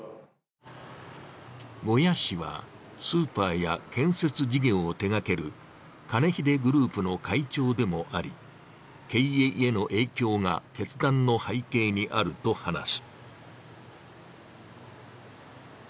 呉屋氏は、スーパーや建設事業を手がける金秀グループの会長でもあり経営への影響が決断の背景にあると話す。